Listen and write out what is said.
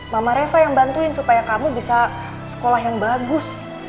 mama reva yang bantuin supaya kamu bisa sekolah yang bagus